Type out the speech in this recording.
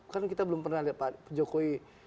kan kita belum pernah lihat pak jokowi